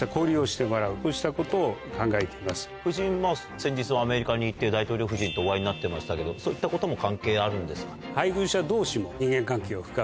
先日はアメリカに行って大統領夫人とお会いになってましたけどそういったことも関係あるんですか？